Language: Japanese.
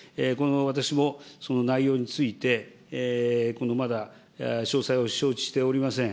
私もその内容について、まだ詳細を承知しておりません。